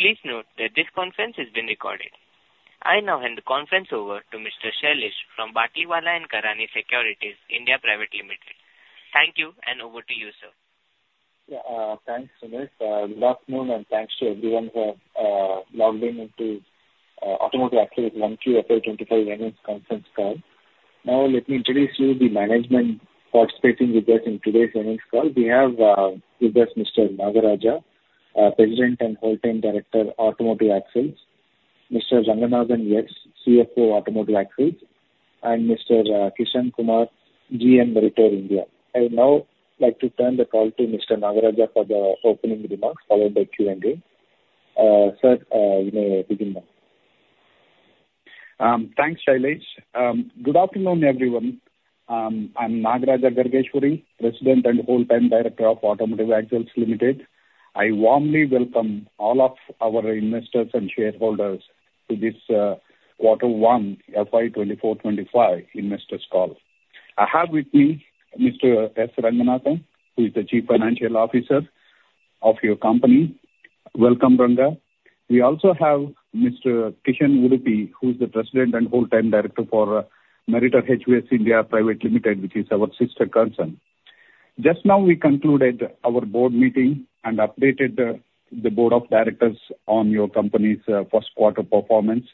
Please note that this conference is been recorded. I now hand the conference over to Mr. Shailesh from Batlivala & Karani Securities India Private Limited. Thank you, and over to you, sir. Yeah, thanks. [inaudible] Good afternoon, and thanks to everyone who have logged in into Automotive Axles' Q1 FY25 Earnings Conference Call. Now, let me introduce you the management participating with us in today's earnings call. We have with us Mr. Nagaraja, President and Whole Time Director, Automotive Axles, Mr. Ranganathan Sankaran, CFO, Automotive Axles, and Mr. Kishan Udupi, GM, Meritor India. I would now like to turn the call to Mr. Nagaraja for the opening remarks, followed by Q&A. Sir, you may begin now. Thanks, Shailesh. Good afternoon, everyone. I'm Nagaraja Gargeshwari, President and Whole Time Director of Automotive Axles Limited. I warmly welcome all of our investors and shareholders to this, quarter one FY2024/2025 investors call. I have with me Mr. Ranganathan Sankaran, who is the Chief Financial Officer of your company. Welcome, Ranga. We also have Mr. Kishan Udupi, who's the President and Whole Time Director for Meritor HVS India Private Limited, which is our sister concern. Just now, we concluded our board meeting and updated the board of directors on your company's first quarter performance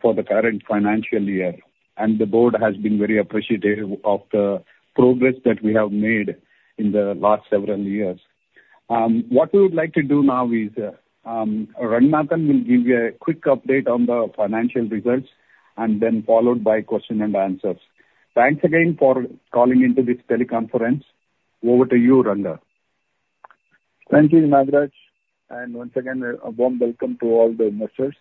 for the current financial year, and the board has been very appreciative of the progress that we have made in the last several years. What we would like to do now is Ranganathan will give you a quick update on the financial results, and then followed by question and answers. Thanks again for calling into this teleconference. Over to you, Ranga. Thank you, Nagaraja, and once again, a warm welcome to all the investors.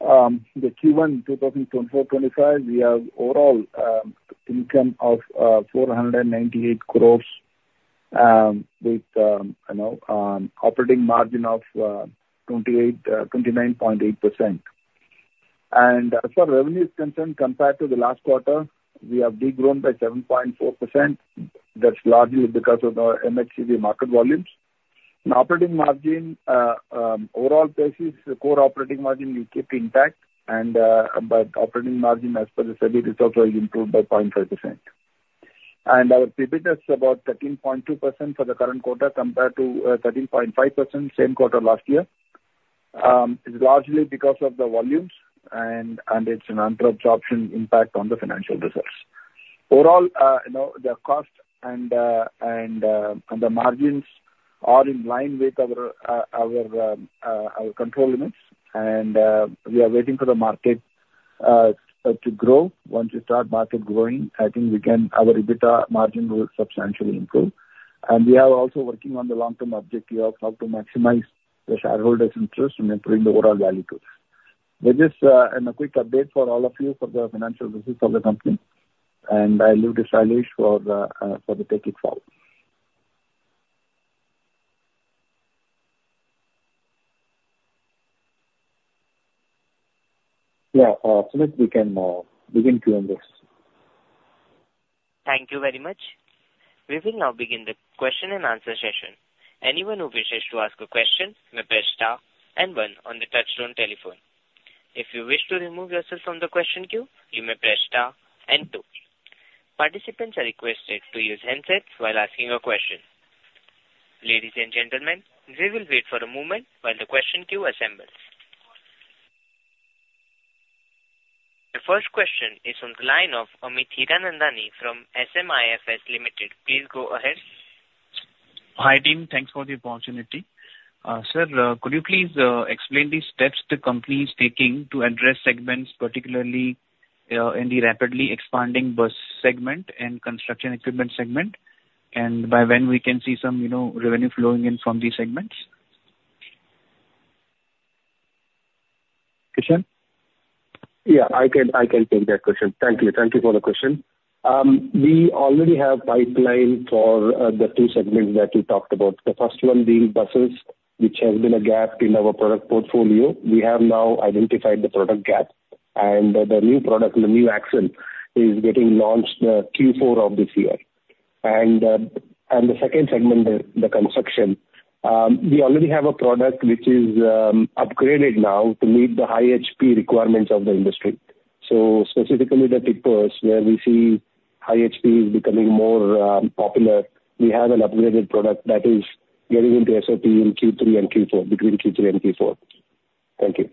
The Q1 in 2024/25, we have overall income of 498 crore with you know operating margin of 29.8%. And as far as revenue is concerned, compared to the last quarter, we have de-grown by 7.4%. That's largely because of the MHCV market volumes. In operating margin overall basis, the core operating margin we kept intact and but operating margin, as per the sales, is also improved by 0.5%. And our EBITDA is about 13.2% for the current quarter, compared to 13.5% same quarter last year. It's largely because of the volumes and it's an absorption impact on the financial results. Overall, you know, the cost and the margins are in line with our control limits, and we are waiting for the market to grow. Once the market starts growing, I think our EBITDA margin will substantially improve. And we are also working on the long-term objective of how to maximize the shareholders' interest in improving the overall value to it. With this, a quick update for all of you for the financial business of the company, and I leave it to Shailesh to take it forward. Yeah, Sunil, we can begin Q&As. Thank you very much. We will now begin the question and answer session. Anyone who wishes to ask a question may press star and one on the touchtone telephone. If you wish to remove yourself from the question queue, you may press star and two. Participants are requested to use handsets while asking a question. Ladies and gentlemen, we will wait for a moment while the question queue assembles. The first question is on the line of Amit Hiranandani from SMIFS Limited. Please go ahead. Hi, team. Thanks for the opportunity. Sir, could you please explain the steps the company is taking to address segments, particularly in the rapidly expanding bus segment and construction equipment segment, and by when we can see some, you know, revenue flowing in from these segments? Kishan? Yeah, I can, I can take that question. Thank you. Thank you for the question. We already have pipeline for the two segments that you talked about. The first one being buses, which has been a gap in our product portfolio. We have now identified the product gap, and the new product, the new axle, is getting launched Q4 of this year. And, and the second segment, the construction, we already have a product which is upgraded now to meet the high HP requirements of the industry. So specifically, the tippers, where we see high HP is becoming more popular, we have an upgraded product that is getting into SOP in Q3 and Q4, between Q3 and Q4. Thank you.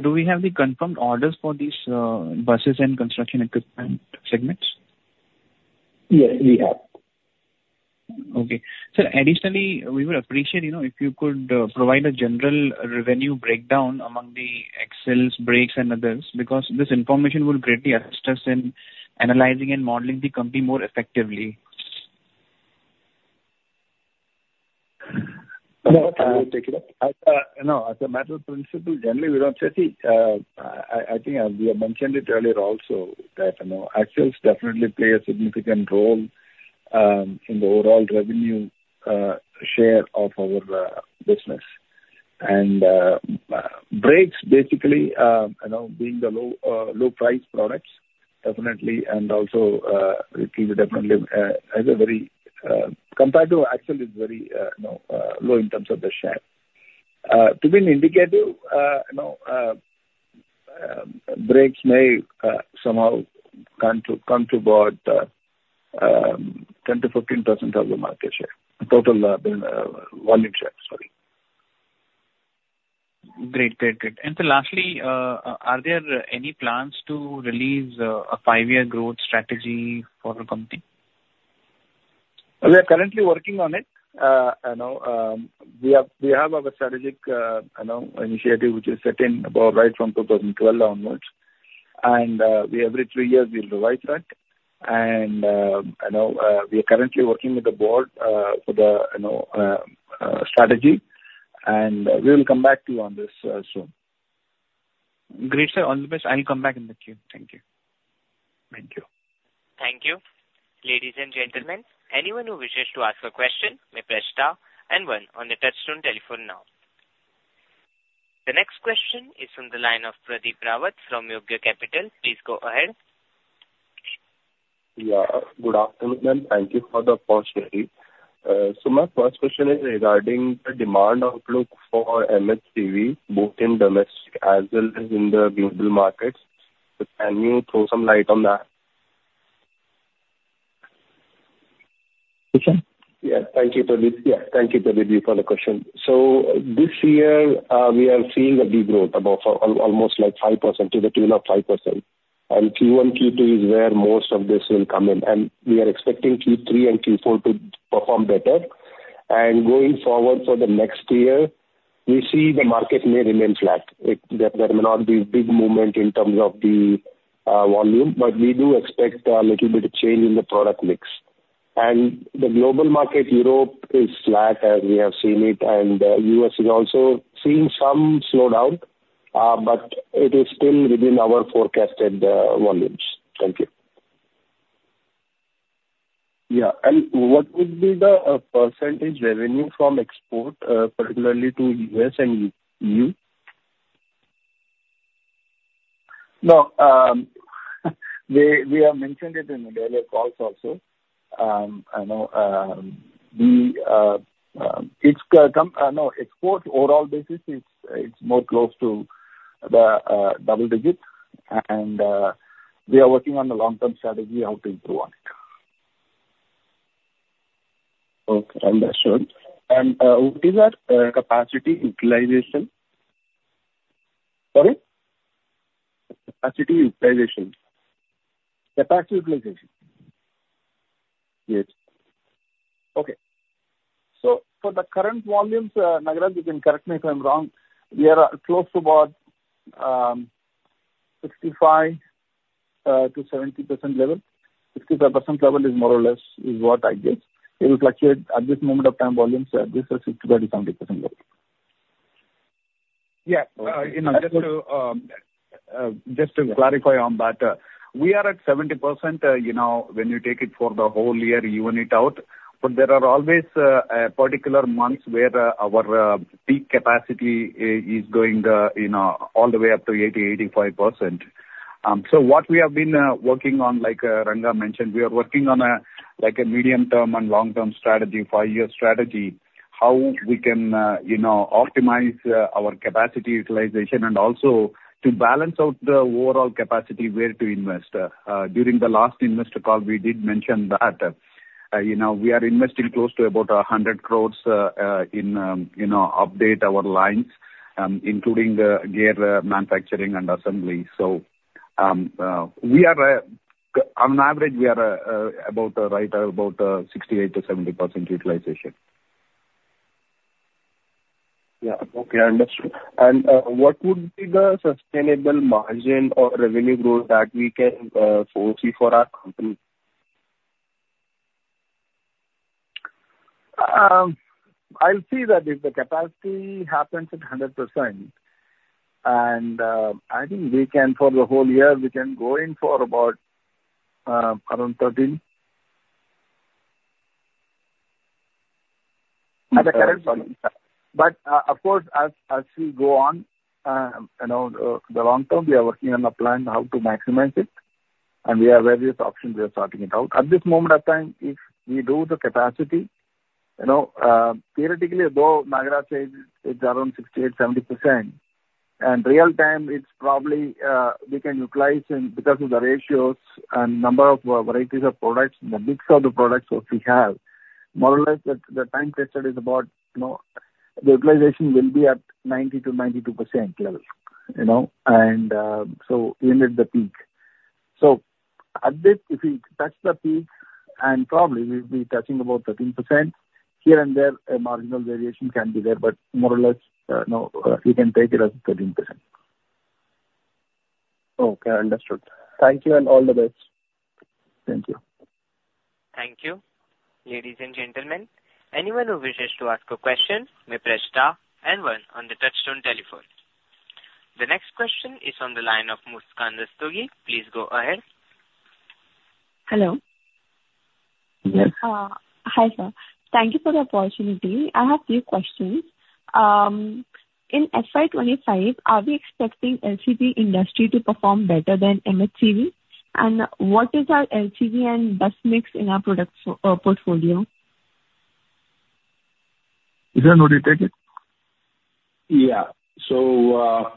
Do we have the confirmed orders for these buses and construction equipment segments? Yes, we have. Okay. Sir, additionally, we would appreciate, you know, if you could provide a general revenue breakdown among the axles, brakes, and others, because this information would greatly assist us in analyzing and modeling the company more effectively. No, uh- Take it up. You know, as a matter of principle, generally, we don't say the... I think as we have mentioned it earlier also, that, you know, axles definitely play a significant role in the overall revenue share of our business. And brakes basically, you know, being the low-price products-... Definitely, and also, we see it definitely as a very, compared to actual, it's very you know low in terms of the share. To be indicative, you know, brakes may somehow come to, come to about 10%-15% of the market share, total volume share, sorry. Great. Good, good. And so lastly, are there any plans to release a five-year growth strategy for the company? We are currently working on it. You know, we have our strategic, you know, initiative, which is set in about right from 2012 onwards. Every three years, we revise that. You know, we are currently working with the board for the, you know, strategy, and we will come back to you on this soon. Great, sir. All the best. I'll come back in the queue. Thank you. Thank you. Thank you. Ladies and gentlemen, anyone who wishes to ask a question may press star and one on the touchtone telephone now. The next question is from the line of Pradeep Rawat from Yogya Capital. Please go ahead. Yeah. Good afternoon, ma'am. Thank you for the opportunity. So my first question is regarding the demand outlook for M&HCV, both in domestic as well as in the global markets. Can you throw some light on that? Yes, thank you, Pradeep. Yeah, thank you, Pradeep, for the question. So this year, we are seeing a big growth, about for almost like 5%, to the tune of 5%, and Q1, Q2 is where most of this will come in, and we are expecting Q3 and Q4 to perform better. And going forward for the next year, we see the market may remain flat. It, there, there may not be big movement in terms of the volume, but we do expect a little bit of change in the product mix. And the global market, Europe, is flat, as we have seen it, and U.S. is also seeing some slowdown, but it is still within our forecasted volumes. Thank you. Yeah. What would be the percentage revenue from export, particularly to U.S. and EU? No, we have mentioned it in the earlier calls also. I know, export overall basis, it's more close to the double digits, and we are working on the long-term strategy how to improve on it. Okay, understood. And, what is our capacity utilization? Sorry? Capacity utilization. Capacity utilization? Yes. Okay. So for the current volumes, Nagaraja, you can correct me if I'm wrong, we are close to about 65%-70% level. 65% level is more or less is what I guess. It will fluctuate at this moment of time, volumes, this is 60%-70% level. Yeah, you know, just to clarify on that, we are at 70%, you know, when you take it for the whole year, even it out, but there are always a particular months where our peak capacity is going, you know, all the way up to 80%-85%. So what we have been working on, like Ranga mentioned, we are working on a, like a medium-term and long-term strategy, five year strategy, how we can, you know, optimize our capacity utilization and also to balance out the overall capacity where to invest. During the last investor call, we did mention that, you know, we are investing close to about 100 crore in, you know, update our lines, including the gear manufacturing and assembly. On average, we are about right about 68%-70% utilization. Yeah. Okay, understood. What would be the sustainable margin or revenue growth that we can foresee for our company? I'll see that if the capacity happens at 100%, and I think we can, for the whole year, we can go in for about around 13. At the current- But, of course, as we go on, you know, the long term, we are working on a plan how to maximize it, and we have various options. We are sorting it out. At this moment of time, if we do the capacity, you know, theoretically, though Nagaraja says it's around 68%-70%, and real time, it's probably we can utilize in because of the ratios and number of varieties of products, the mix of the products which we have, more or less, the time tested is about, you know, the utilization will be at 90%-92% level, you know, and so we need the peak. At this, if we touch the peak, and probably we'll be touching about 13%, here and there. A marginal variation can be there, but more or less, you know, you can take it as 13%. Okay, understood. Thank you, and all the best. Thank you. Thank you. Ladies and gentlemen, anyone who wishes to ask a question, may press star and one on the touchtone telephone. The next question is on the line of Muskan Rastogi. Please go ahead. Hello?... Hi, sir. Thank you for the opportunity. I have few questions. In FY25, are we expecting LCV industry to perform better than MHCV? And what is our LCV and bus mix in our product, so, portfolio? Is that inaudible? Yeah. So,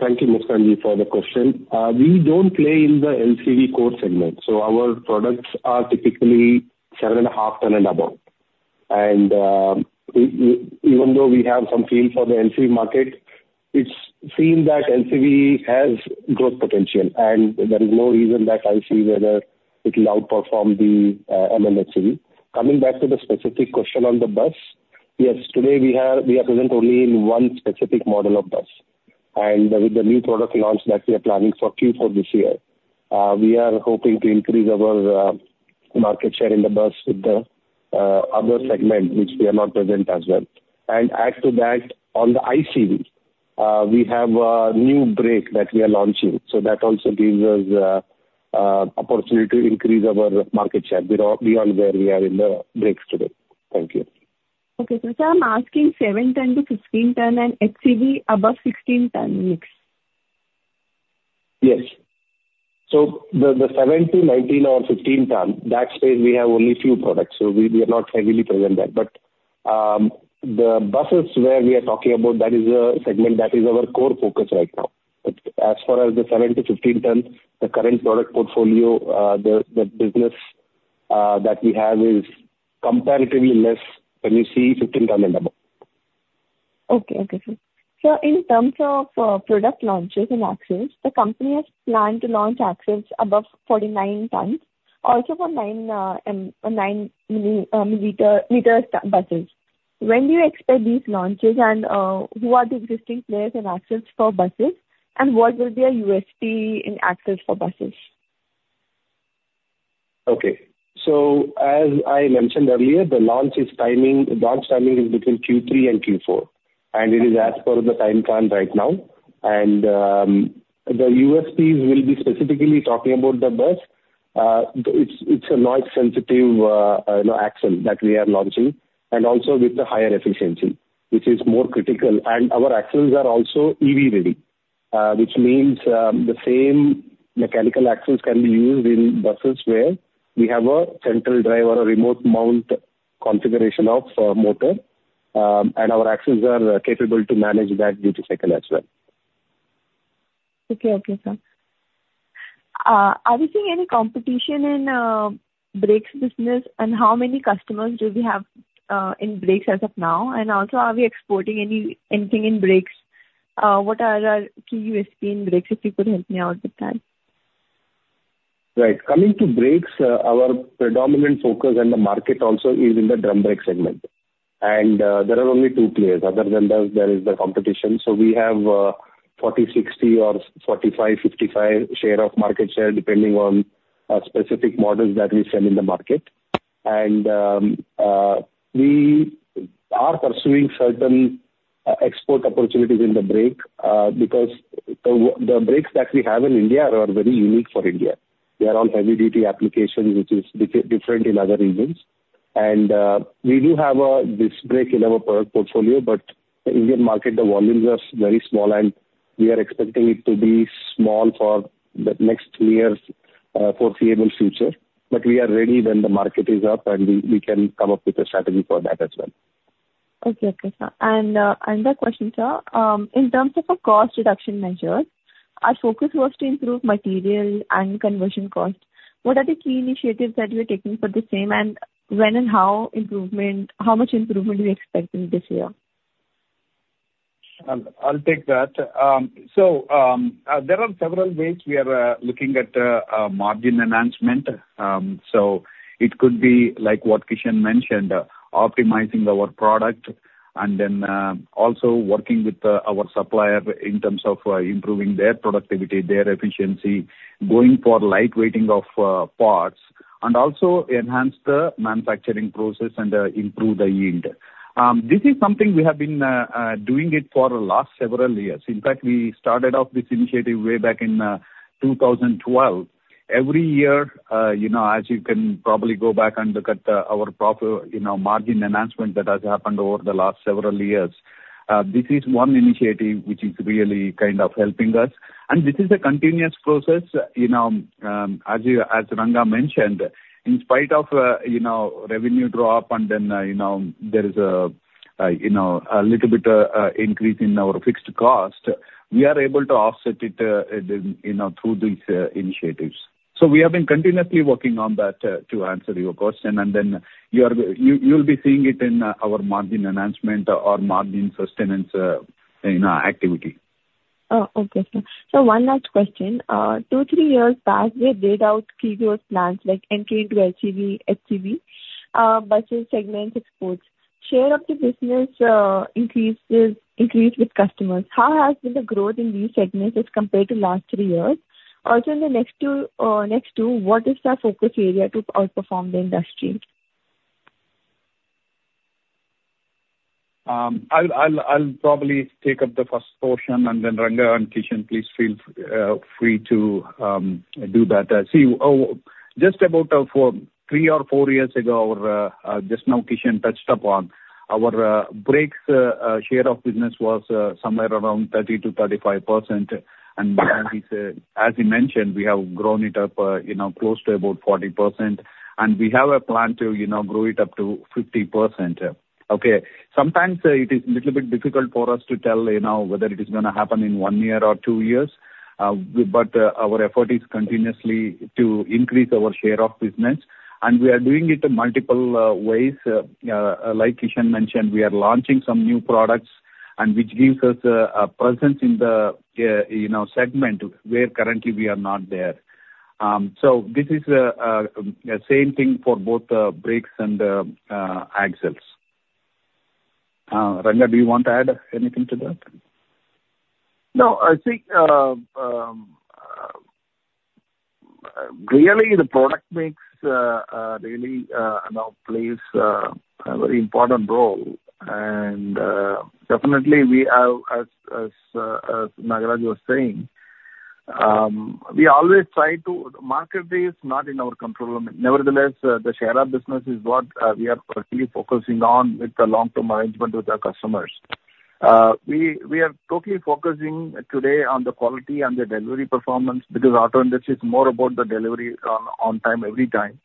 thank you for the question. We don't play in the LCV core segment, so our products are typically 7.5 tons and above. And even though we have some feel for the LCV market, it's seen that LCV has growth potential, and there is no reason that I see whether it will outperform the M&HCV. Coming back to the specific question on the bus, yes, today we have, we are present only in one specific model of bus, and with the new product launch that we are planning for Q4 this year, we are hoping to increase our market share in the bus with the other segment, which we are not present as well. And add to that, on the ICV, we have a new brake that we are launching, so that also gives us opportunity to increase our market share beyond, beyond where we are in the brakes today. Thank you. Okay. So sir, I'm asking 7 ton-15-ton and HCV above 16-ton mix. Yes. So the 7 ton-19 ton or 15 ton, that space we have only few products, so we are not heavily present there. But the buses where we are talking about, that is a segment that is our core focus right now. But as far as the 7 ton-15 ton, the current product portfolio, the business that we have is comparatively less than you see 15 ton and above. Okay, okay, sir. So in terms of product launches and axles, the company has planned to launch axles above 49 tons, also for 9m buses. When do you expect these launches? And who are the existing players in axles for buses, and what will be your USP in axles for buses? Okay. So as I mentioned earlier, the launch is timing, the launch timing is between Q3 and Q4, and it is as per the time plan right now. And, the USPs will be specifically talking about the bus. It's a noise sensitive, you know, axle that we are launching, and also with the higher efficiency, which is more critical. And our axles are also EV ready, which means, the same mechanical axles can be used in buses where we have a central drive or remote mount configuration of motor, and our axles are capable to manage that duty cycle as well. Okay, okay, sir. Are we seeing any competition in brakes business, and how many customers do we have in brakes as of now? And also, are we exporting anything in brakes? What are our key USP in brakes, if you could help me out with that? Right. Coming to brakes, our predominant focus in the market also is in the drum brake segment. There are only two players. Other than that, there is the competition. So we have 40%-60% or 45%-55% market share, depending on specific models that we sell in the market. We are pursuing certain export opportunities in the brake because the brakes that we have in India are very unique for India. They are on heavy-duty application, which is different in other regions. We do have this brake in our product portfolio, but the Indian market, the volumes are very small, and we are expecting it to be small for the next three years, foreseeable future. But we are ready when the market is up, and we can come up with a strategy for that as well. Okay, okay, sir. And, another question, sir. In terms of a cost reduction measure, our focus was to improve material and conversion costs. What are the key initiatives that you are taking for the same, and when and how improvement, how much improvement are you expecting this year? I'll take that. So, there are several ways we are looking at margin enhancement. So it could be like what Kishan mentioned, optimizing our product and then, also working with our supplier in terms of improving their productivity, their efficiency, going for light weighting of parts, and also enhance the manufacturing process and improve the yield. This is something we have been doing it for the last several years. In fact, we started off this initiative way back in 2012. Every year, you know, as you can probably go back and look at our profit, you know, margin enhancement that has happened over the last several years, this is one initiative which is really kind of helping us, and this is a continuous process. You know, as you, as Ranga mentioned, in spite of, you know, revenue drop, and then, you know, there is a, you know, a little bit, increase in our fixed cost, we are able to offset it, you know, through these, initiatives. So we have been continuously working on that, to answer your question, and then you are, you, you'll be seeing it in, our margin enhancement or margin sustenance, you know, activity. Oh, okay, sir. So one last question. 2-3 years back, we laid out key growth plans, like entry into LCV, HCV, buses, segments, exports. Share of the business, increases, increased with customers. How has been the growth in these segments as compared to last three years? Also, in the next two, next two, what is our focus area to outperform the industry? I'll probably take up the first portion, and then Ranga and Kishan, please feel free to do that. See, just about three or four years ago, just now Kishan touched upon, our brakes share of business was somewhere around 30%-35%. And as he said, as he mentioned, we have grown it up, you know, close to about 40%, and we have a plan to, you know, grow it up to 50%. Okay. Sometimes it is little bit difficult for us to tell, you know, whether it is gonna happen in one year or two years, but our effort is continuously to increase our share of business, and we are doing it in multiple ways. Like Kishan mentioned, we are launching some new products, and which gives us a presence in the you know segment where currently we are not there. So this is the same thing for both brakes and axles. Ranga, do you want to add anything to that? No, I think really the product mix really you know plays a very important role. And definitely we have, as Nagaraja was saying, we always try to market is not in our control. Nevertheless, the share of business is what we are currently focusing on with the long-term arrangement with our customers. We are totally focusing today on the quality and the delivery performance, because auto industry is more about the delivery on time, every time.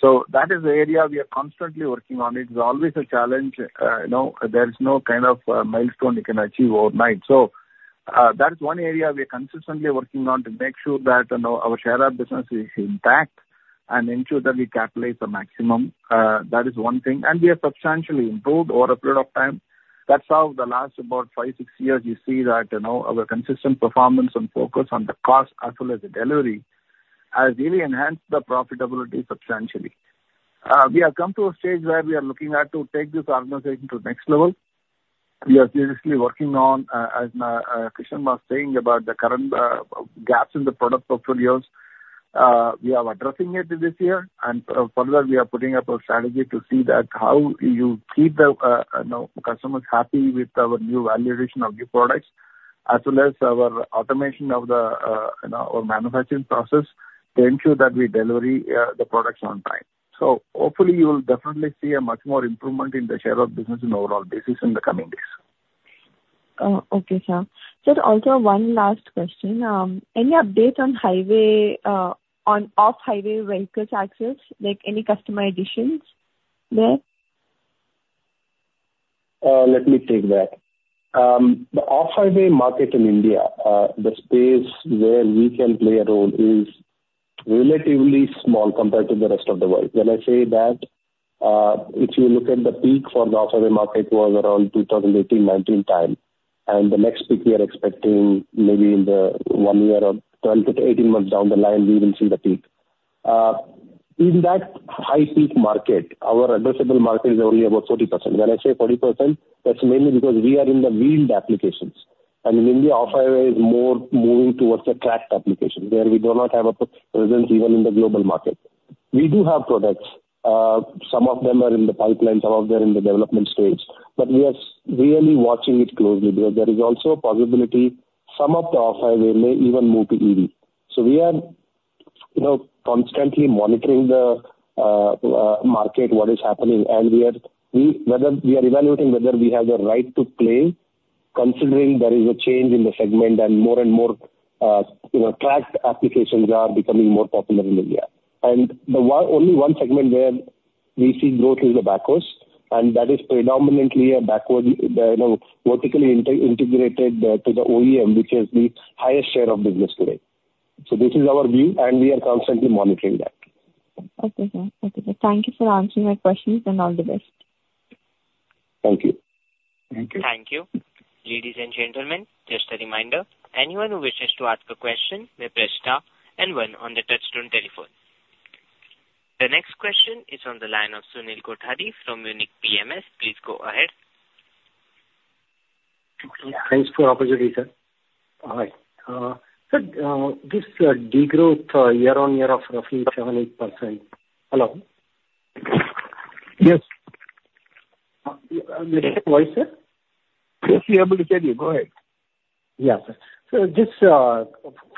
So that is the area we are constantly working on. It's always a challenge. You know, there is no kind of, milestone you can achieve overnight. So, that is one area we are consistently working on to make sure that, you know, our share of business is intact and ensure that we capitalize the maximum. That is one thing, and we have substantially improved over a period of time. That's how the last about 5, 6 years, you see that, you know, our consistent performance and focus on the cost, as well as the delivery, has really enhanced the profitability substantially. We have come to a stage where we are looking at to take this organization to the next level. We are seriously working on, as, Kishan was saying, about the current, gaps in the product portfolios. We are addressing it this year, and further, we are putting up a strategy to see that how you keep the, you know, customers happy with our new value addition of new products, as well as our automation of the, you know, our manufacturing process, to ensure that we delivery the products on time. So hopefully, you will definitely see a much more improvement in the share of business in overall business in the coming days. Okay, sir. Sir, also one last question. Any update on on-highway, on off-highway vehicles axles, like any customer additions there? Let me take that. The off-highway market in India, the space where we can play a role is relatively small compared to the rest of the world. When I say that, if you look at the peak for the off-highway market was around 2018, 2019 time, and the next peak we are expecting maybe in the one year or 12-18 months down the line, we will see the peak. In that high peak market, our addressable market is only about 40%. When I say 40%, that's mainly because we are in the wheeled applications, and in India, off-highway is more moving towards the tracked application, where we do not have a presence even in the global market. We do have products. Some of them are in the pipeline, some of them are in the development stage, but we are really watching it closely, because there is also a possibility some of the off-highway may even move to EV. So we are, you know, constantly monitoring the market, what is happening, and we are evaluating whether we have the right to play, considering there is a change in the segment and more and more, you know, tracked applications are becoming more popular in India. And only one segment where we see growth is the backhoes, and that is predominantly a backward, you know, vertically integrated to the OEM, which has the highest share of business today. So this is our view, and we are constantly monitoring that. Okay, sir. Okay, thank you for answering my questions, and all the best. Thank you. Thank you. Thank you. Ladies and gentlemen, just a reminder, anyone who wishes to ask a question may press star and one on the touchtone telephone. The next question is on the line of Sunil Kothari from Unique PMS. Please go ahead. Thanks for the opportunity, sir. Hi, so, this degrowth year-over-year of roughly 7%-8%. Hello? Yes. You said what, sir? Yes, we are able to hear you. Go ahead. Yeah, sir. So this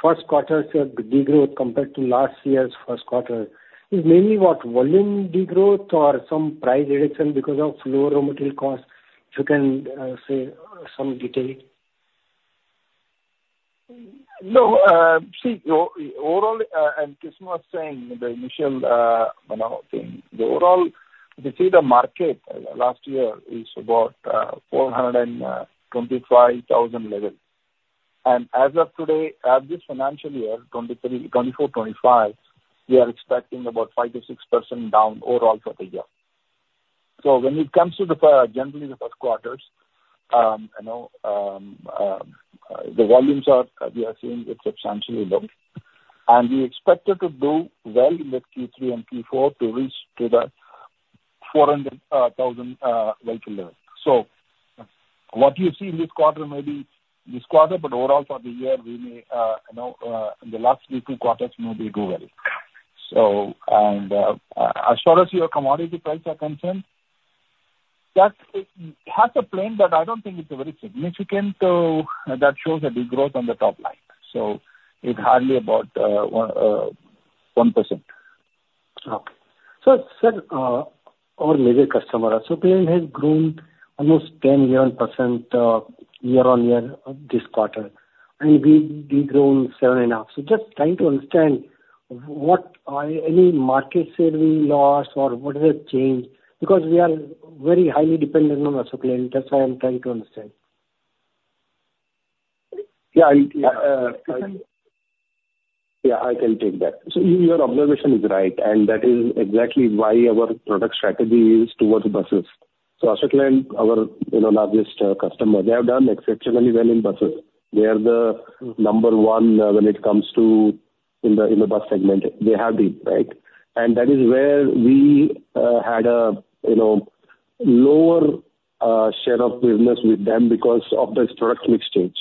first quarter degrowth compared to last year's first quarter is mainly what, volume degrowth or some price reduction because of lower material costs? If you can, say some detail. No, see overall, and Kishan was saying the initial, you know, thing, the overall, you see the market last year is about 425,000 level. And as of today, at this financial year, 2023, 2024, 2025, we are expecting about 5%-6% down overall for the year. So when it comes to the, generally the first quarters, you know, the volumes are, we are seeing it's substantially low, and we expected to do well in the Q3 and Q4 to reach to the 400,000 vehicle level. So what you see in this quarter may be this quarter, but overall for the year, we may, you know, in the last two quarters maybe go well. So, as far as your commodity prices are concerned, that's, it has a plan, but I don't think it's very significant, so that shows a big growth on the top line, so it's hardly about 1%. Okay. So, sir, our major customer, so client has grown almost 10%-11% year-on-year this quarter, and we, we've grown 7.5%. So just trying to understand what if any market share we lost, or what is the change? Because we are very highly dependent on our client, that's why I'm trying to understand. Yeah, I, yeah, I can take that. So your observation is right, and that is exactly why our product strategy is towards buses. So Ashok Leyland, our, you know, largest, customer, they have done exceptionally well in buses. They are the number one, when it comes to in the, in the bus segment. They have been, right? And that is where we, had a, you know, lower, share of business with them because of this product mix change.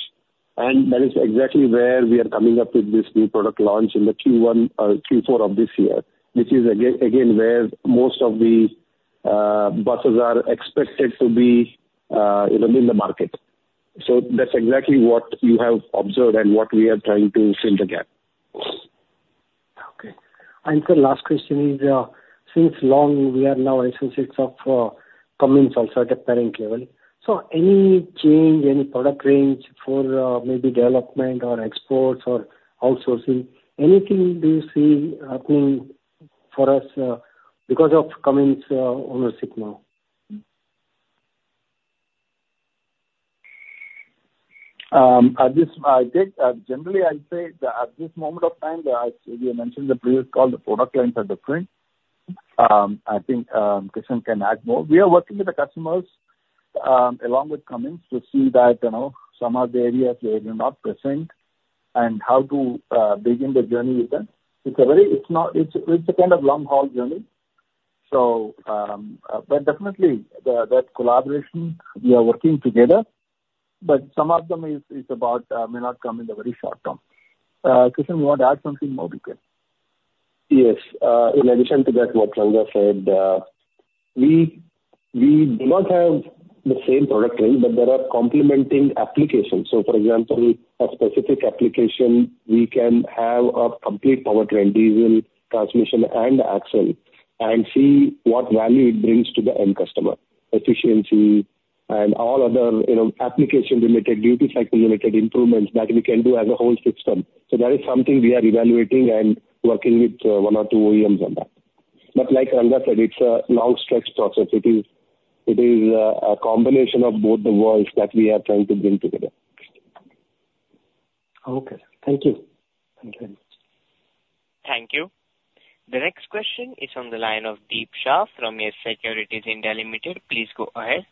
And that is exactly where we are coming up with this new product launch in the Q1, Q4 of this year, which is again, where most of the, buses are expected to be, you know, in the market. So that's exactly what you have observed and what we are trying to fill the gap. Okay. Sir, last question is, since long, we are now associates of, Cummins also at the parent level, so any change, any product range for, maybe development or exports or outsourcing? Anything do you see happening for us, because of Cummins, ownership now? At this, I think, generally, I'd say that at this moment of time, as we mentioned in the previous call, the product lines are different. I think, Kishan can add more. We are working with the customers, along with Cummins, to see that, you know, some of the areas where we are not present and how to begin the journey with them. It's a very... It's not, it's a kind of long-haul journey, so, but definitely the, that collaboration, we are working together, but some of them is about may not come in the very short term. Kishan, you want to add something more? You can. Yes. In addition to that, what Ranga said, we do not have the same product range, but there are complementing applications. So for example, a specific application, we can have a complete powertrain, diesel, transmission and axle, and see what value it brings to the end customer. Efficiency and all other, you know, application-related, duty cycle-related improvements that we can do as a whole system. So that is something we are evaluating and working with, one or two OEMs on that. But like Ranga said, it's a long-stretch process. It is, it is, a combination of both the worlds that we are trying to bring together. Okay. Thank you. Thank you very much. Thank you. The next question is on the line of Deep Shah from YES SECURITIES (India) Limited. Please go ahead.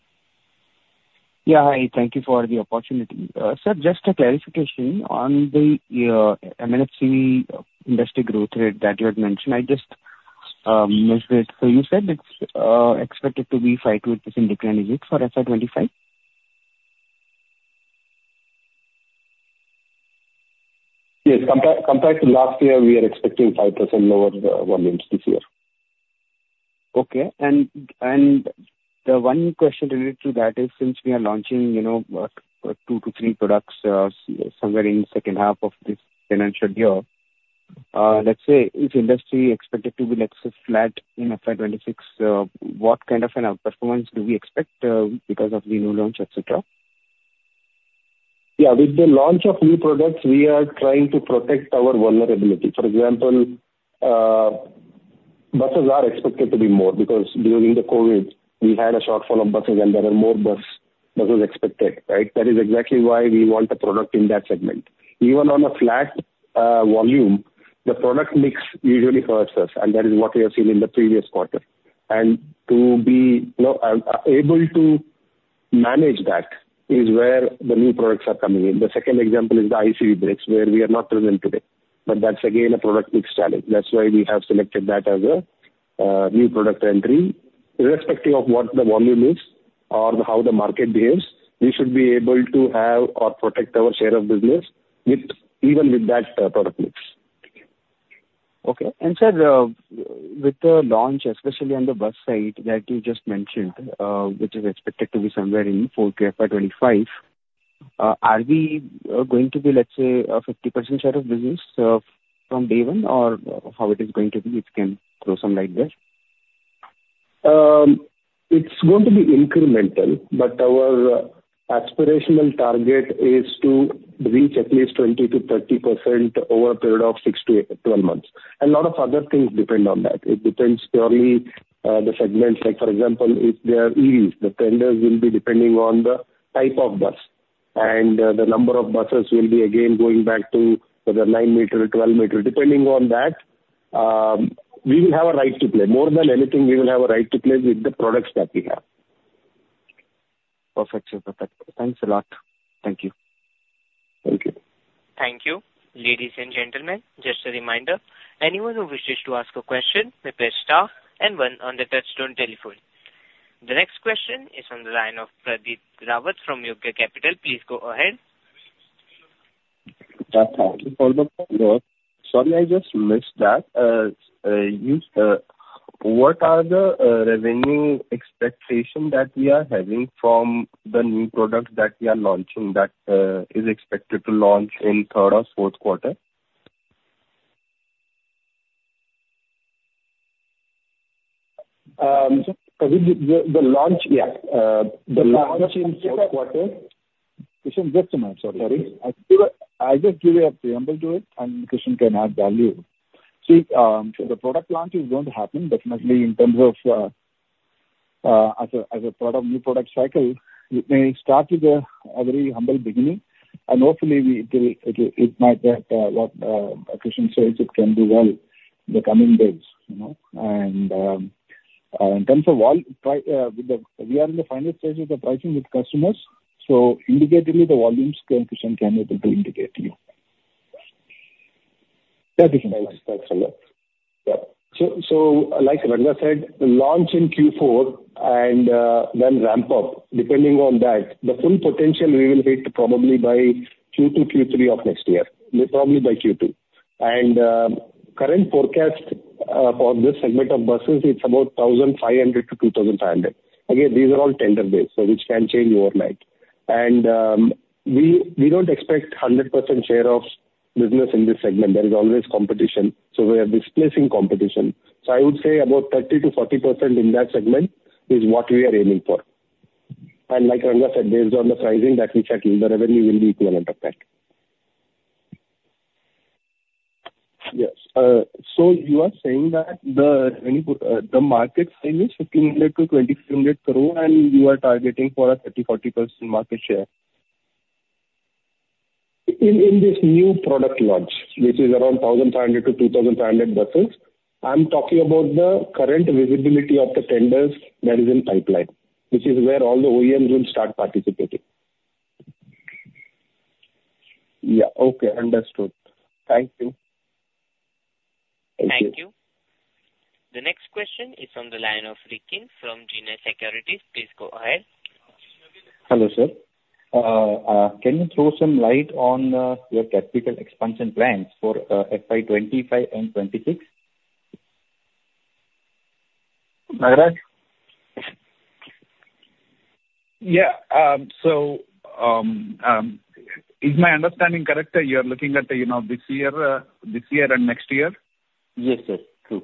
Yeah, hi. Thank you for the opportunity. Sir, just a clarification on the M&HCV industry growth rate that you had mentioned. I just missed it. So you said it's expected to be 5%-8% for FY2025? Yes. Compared to last year, we are expecting 5% lower volumes this year. Okay, and the one question related to that is, since we are launching, you know, two to three products, somewhere in the second half of this financial year, let's say if industry expected to be less flat in FY2026, what kind of an outperformance do we expect, because of the new launch, et cetera? Yeah. With the launch of new products, we are trying to protect our vulnerability. For example, buses are expected to be more, because during the COVID we had a shortfall of buses and there are more bus than was expected, right? That is exactly why we want a product in that segment. Even on a flat volume, the product mix usually hurts us, and that is what we have seen in the previous quarter. And to be able to manage that is where the new products are coming in. The second example is the ICV brakes, where we are not present today, but that's again, a product mix challenge. That's why we have selected that as a new product entry. Irrespective of what the volume is or how the market behaves, we should be able to have or protect our share of business with, even with that, product mix. Okay. And sir, with the launch, especially on the bus side, that you just mentioned, which is expected to be somewhere in fourth quarter FY2025, are we going to be, let's say, a 50% share of business from day one, or how it is going to be? If you can throw some light there. It's going to be incremental, but our aspirational target is to reach at least 20%-30% over a period of 6-12 months. A lot of other things depend on that. It depends purely the segments, like, for example, if they are EVs, the tenders will be depending on the type of bus, and the number of buses will be again going back to whether 9m, 12m. Depending on that, we will have a right to play. More than anything, we will have a right to play with the products that we have. Perfect, sir. Perfect. Thanks a lot. Thank you. Thank you. Thank you. Ladies and gentlemen, just a reminder, anyone who wishes to ask a question, press star and one on the touch-tone telephone. The next question is on the line of Pradeep Rawat from Yogya Capital. Please go ahead. Thank you for the, sorry, I just missed that. You, what are the revenue expectation that we are having from the new product that we are launching that is expected to launch in third or fourth quarter? The launch in fourth quarter. Kishan, just a minute, sorry. I just give a preamble to it, and Kishan can add value. See, the product launch is going to happen definitely in terms of as a new product cycle. It may start with a very humble beginning, and hopefully it might get what Kishan says it can do well in the coming days, you know. And in terms of volume pricing with the, we are in the final stages of the pricing with customers, so indicatively, the volumes, Kishan can be able to indicate to you. Kishan. Thanks a lot. Yeah. So, like Ranga said, the launch in Q4 and then ramp up. Depending on that, the full potential we will hit probably by Q2, Q3 of next year, probably by Q2. And current forecast for this segment of buses, it's about 1,500-2,500. Again, these are all tender-based, so which can change overnight. And we don't expect 100% share of business in this segment. There is always competition, so we are displacing competition. So I would say about 30%-40% in that segment is what we are aiming for. And like Ranga said, based on the pricing that we check, the revenue will be equivalent of that. Yes. So you are saying that the market size is 1,500-2,500 crore, and you are targeting for a 30%-40% market share? In this new product launch, which is around 1,500-2,500 buses, I'm talking about the current visibility of the tenders that is in pipeline, which is where all the OEMs will start participating. Yeah. Okay, understood. Thank you. Thank you. The next question is from the line of Ricky from Jain Securities. Please go ahead. Hello, sir. Can you throw some light on your capital expansion plans for FY25 and FY26? Nagaraja? Yeah. So, is my understanding correct that you're looking at, you know, this year, this year and next year? Yes, sir. True.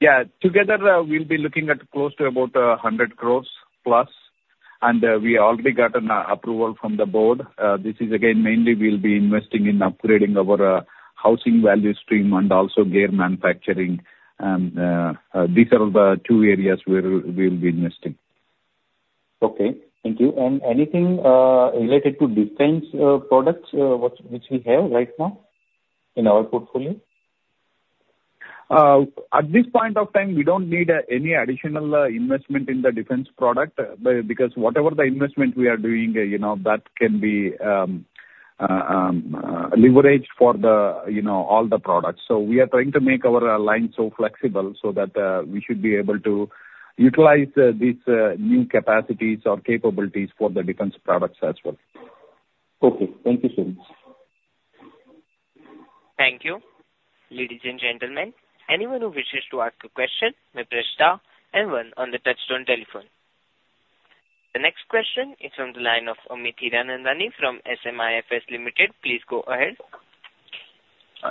Yeah. Together, we'll be looking at close to about 100 crores plus, and we already gotten approval from the board. This is again, mainly we'll be investing in upgrading our housing value stream and also gear manufacturing. And these are the two areas where we'll, we'll be investing. Okay, thank you. And anything related to defense products, what, which we have right now in our portfolio? At this point of time, we don't need any additional investment in the defense product, because whatever the investment we are doing, you know, that can be leveraged for the, you know, all the products. So we are trying to make our line so flexible so that we should be able to utilize these new capacities or capabilities for the defense products as well. Okay. Thank you so much. Thank you. Ladies and gentlemen, anyone who wishes to ask a question may press star and one on the touchtone telephone. The next question is from the line of Amit Hiranandani from SMIFS Limited. Please go ahead.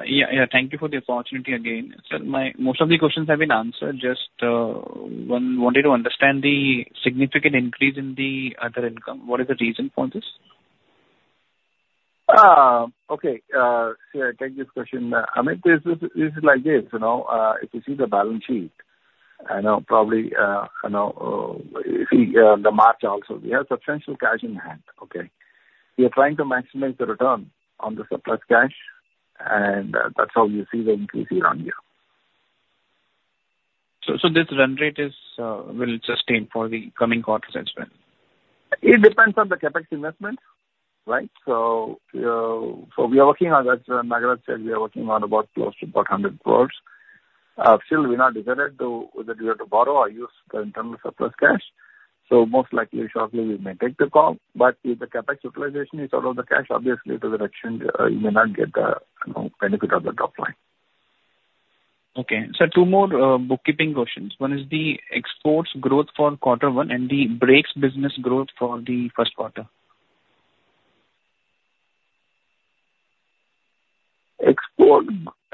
Yeah, yeah, thank you for the opportunity again. So, most of the questions have been answered. Just one, wanted to understand the significant increase in the other income. What is the reason for this? Okay. So I take this question. Amit, this, this is like this, you know, if you see the balance sheet, I know probably, you know, if you, the March also, we have substantial cash in hand, okay? We are trying to maximize the return on the surplus cash, and, that's how you see the increase year-on-year. So this run rate is, will it sustain for the coming quarters as well? It depends on the CapEx investment, right? So, so we are working on that. Nagaraja said we are working on about close to about 100 crore. Still we're not decided to, whether we have to borrow or use the internal surplus cash. So most likely, shortly we may take the call. But if the CapEx utilization is out of the cash, obviously the direction, you may not get the, you know, benefit of the top line. Okay. So two more, bookkeeping questions. One is the exports growth for quarter one and the brakes business growth for the first quarter. Export,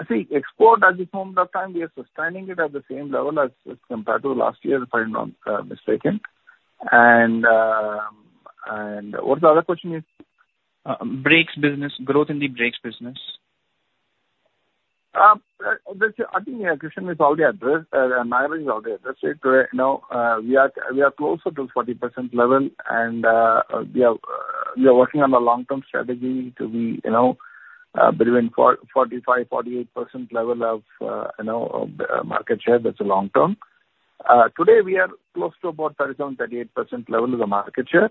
see, export at this point of time, we are sustaining it at the same level as, as compared to last year, if I'm not mistaken. And, and what's the other question you said? Brakes business, growth in the brakes business. I think, Kishan is out there. Nagaraja is out there. That's it. Now, we are closer to 40% level, and we are working on a long-term strategy to be, you know, between 45%-48% level of, you know, market share. That's a long term. Today, we are close to about 37%-38% level of the market share,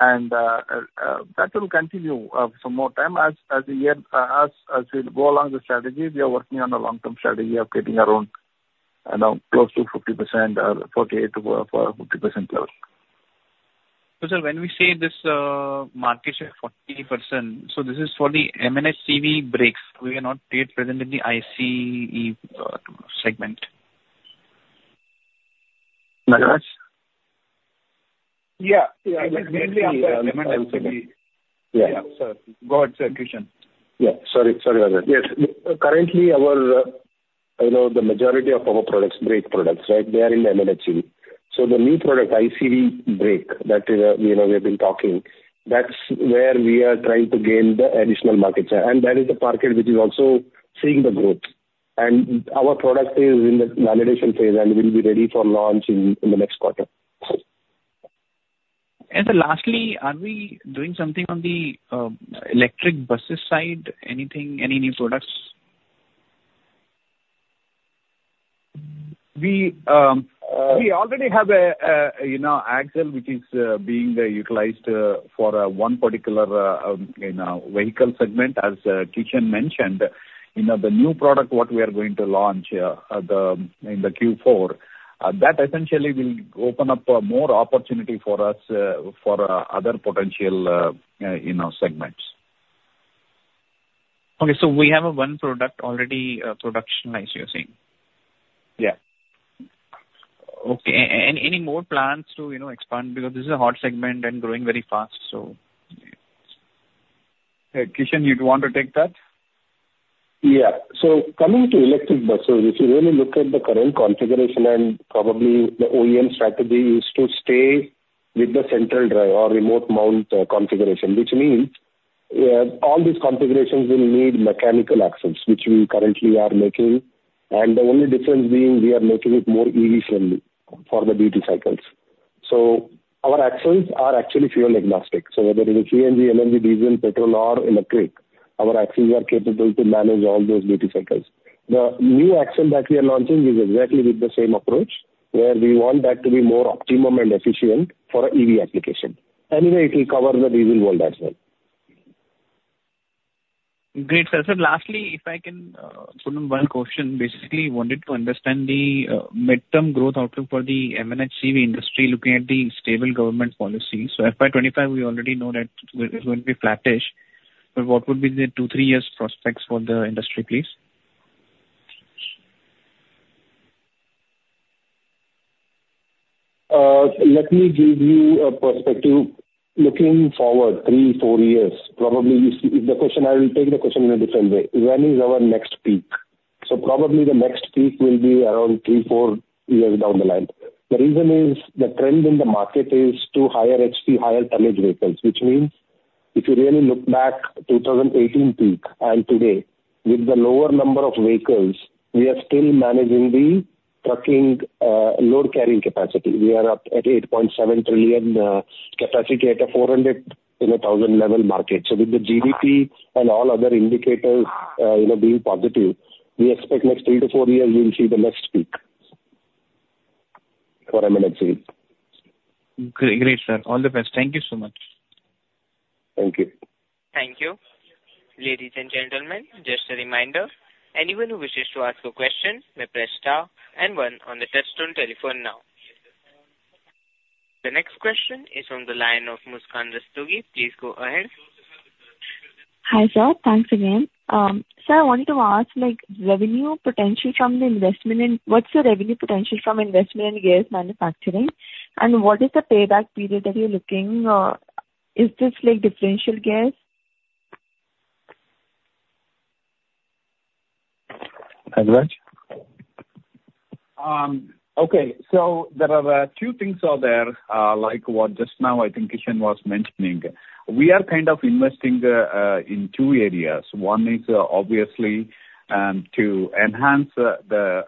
and that will continue for more time as the year, as we go along the strategy, we are working on a long-term strategy of getting around, you know, close to 50%, 48%-50% level. So sir, when we say this, market share 40%, so this is for the M&HCV brakes. We are not yet present in the ICV segment. Nagaraja? Yeah, yeah. Mainly after M&HCV. Yeah. Yeah. So go ahead, sir, Kishan. Yeah. Sorry, sorry about that. Yes, currently our, you know, the majority of our products, brake products, right, they are in M&HCV. So the new product, ICV brake, that, you know, we've been talking, that's where we are trying to gain the additional market share. And that is the market which is also seeing the growth. And our product is in the validation phase, and will be ready for launch in the next quarter. Sir, lastly, are we doing something on the electric buses side? Anything, any new products? We already have a you know axle which is being utilized for one particular you know vehicle segment, as Kishan mentioned. You know, the new product what we are going to launch in the Q4 that essentially will open up more opportunity for us for you know segments. Okay, so we have one product already, productionized, you're saying? Yeah. Okay. Any more plans to, you know, expand? Because this is a hot segment and growing very fast, so... Kishan, you'd want to take that? Yeah. So coming to electric buses, if you really look at the current configuration and probably the OEM strategy is to stay with the central drive or remote mount, configuration, which means, all these configurations will need mechanical axles, which we currently are making, and the only difference being we are making it more EV-friendly for the duty cycles. So our axles are actually fuel-agnostic, so whether it's a CNG, LNG, diesel, petrol or electric, our axles are capable to manage all those duty cycles. The new axle that we are launching is exactly with the same approach, where we want that to be more optimum and efficient for a EV application. Anyway, it will cover the diesel world as well. Great, sir. Sir, lastly, if I can put in one question. Basically, wanted to understand the midterm growth outlook for the M&HCV industry, looking at the stable government policy. So FY25, we already know that it's going to be flattish, but what would be the two, three years prospects for the industry, please? Let me give you a perspective looking forward 3-4 years. Probably you see the question, I will take the question in a different way. When is our next peak? So probably the next peak will be around 3-4 years down the line. The reason is, the trend in the market is to higher HP, higher tonnage vehicles, which means if you really look back, 2018 peak and today, with the lower number of vehicles, we are still managing the trucking, load carrying capacity. We are up at 8.7 trillion capacity at a 400,000 level market. So with the GDP and all other indicators, you know, being positive, we expect next 3-4 years, we will see the next peak for M&HCV. Great, sir. All the best. Thank you so much. Thank you. Thank you. Ladies and gentlemen, just a reminder, anyone who wishes to ask a question may press star and one on the touchtone telephone now. The next question is on the line of Muskan Rastogi. Please go ahead. Hi, sir. Thanks again. Sir, I wanted to ask, like, revenue potential from the investment in... What's the revenue potential from investment in gears manufacturing? And what is the payback period that you're looking? Is this like differential gears? Nagaraja? Okay. So there are two things are there, like what just now I think Kishan was mentioning. We are kind of investing in two areas. One is obviously to enhance the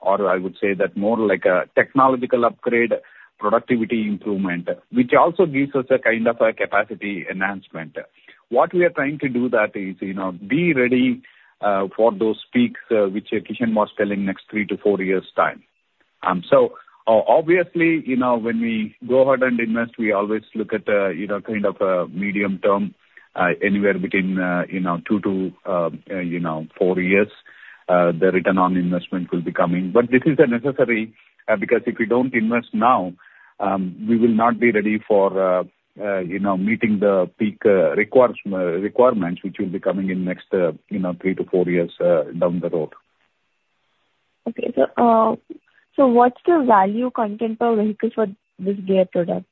or I would say that more like a technological upgrade, productivity improvement, which also gives us a kind of a capacity enhancement. What we are trying to do that is, you know, be ready for those peaks which Kishan was telling, next 3-4 years time. So obviously, you know, when we go ahead and invest, we always look at, you know, kind of a medium term, anywhere between, you know, 2-4 years, the return on investment will be coming. This is a necessary because if we don't invest now, we will not be ready for, you know, meeting the peak requirements, which will be coming in next, you know, 3-4 years down the road. Okay. So, so what's the value content per vehicles for this gear product?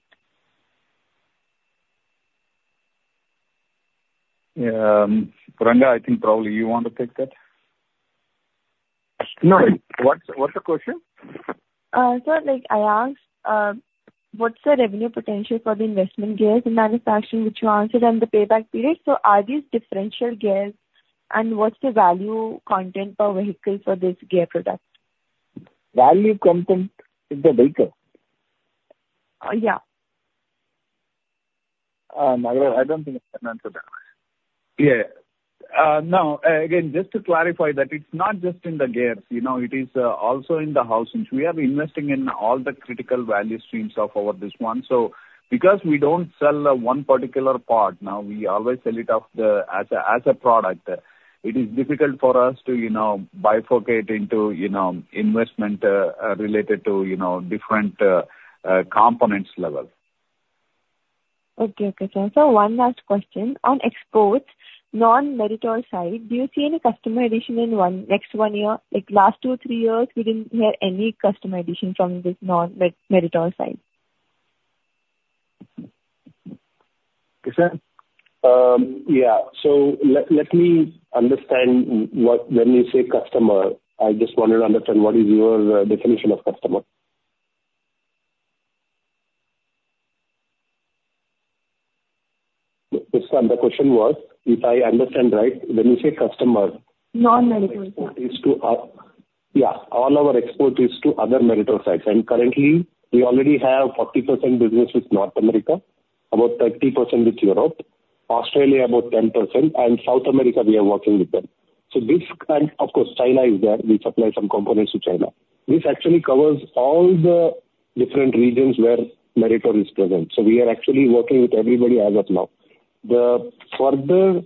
Ranga, I think probably you want to take that. No, what's the question? Sir, like I asked, what's the revenue potential for the investment gears in manufacturing, which you answered, and the payback period. So are these differential gears, and what's the value content per vehicle for this gear product? Value content in the vehicle? Uh, yeah. Nagaraja, I don't think I can answer that. Yeah. No, again, just to clarify that it's not just in the gears, you know, it is also in the housings. We are investing in all the critical value streams of our this one, so because we don't sell one particular part now, we always sell it off the, as a, as a product. It is difficult for us to, you know, bifurcate into, you know, investment related to, you know, different components level. Okay, okay, sir. So one last question. On exports, non-Meritor side, do you see any customer addition in one next one year? Like last two, three years, we didn't hear any customer addition from this non-Meritor side. Kishan? Yeah, so let me understand what, when you say customer, I just want to understand what is your definition of customer. Kishan, the question was, if I understand right, when you say customer- Non-Meritor. Is to, Yeah, all our export is to other Meritor sites, and currently, we already have 40% business with North America, about 30% with Europe, Australia about 10%, and South America, we are working with them. So this, and of course, China is there. We supply some components to China. This actually covers all the different regions where Meritor is present. So we are actually working with everybody as of now. The further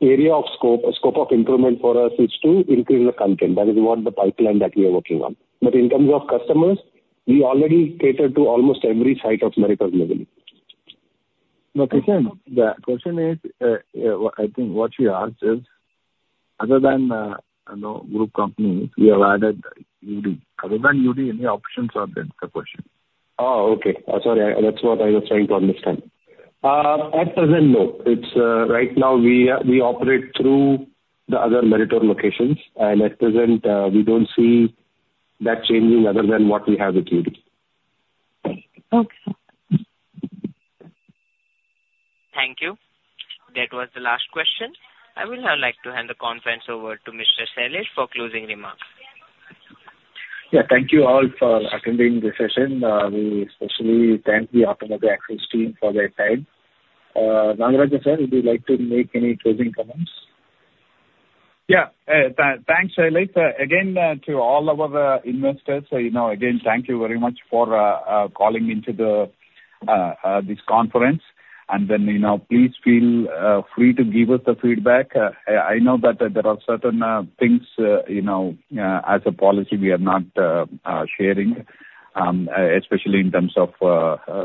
area of scope, scope of improvement for us is to increase the content. That is what the pipeline that we are working on. But in terms of customers, we already cater to almost every site of Meritor globally. No, Kishan, the question is, I think what she asked is, other than, you know, group companies, we have added UD. Other than UD, any options are there, the question. Oh, okay. Sorry, I... That's what I was trying to understand. At present, no. It's right now we operate through the other Meritor locations, and at present, we don't see that changing other than what we have with UD. Okay. Thank you. That was the last question. I will now like to hand the conference over to Mr. Shailesh for closing remarks. Yeah, thank you all for attending this session. We especially thank the Automotive Axles team for their time. Nagaraja sir, would you like to make any closing comments? Yeah. Thanks, Shailesh. Again, to all our investors, you know, again, thank you very much for calling into this conference. And then, you know, please feel free to give us the feedback. I know that there are certain things, you know, as a policy we are not sharing, especially in terms of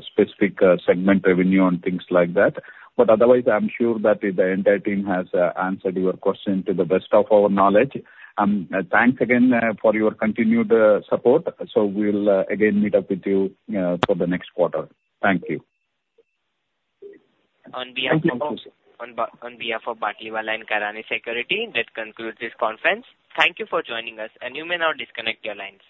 specific segment revenue and things like that. But otherwise, I'm sure that the entire team has answered your question to the best of our knowledge. Thanks again for your continued support. So we'll again meet up with you for the next quarter. Thank you. On behalf of- Thank you. On behalf of Batlivala & Karani Securities, that concludes this conference. Thank you for joining us, and you may now disconnect your lines.